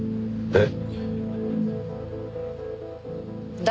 えっ？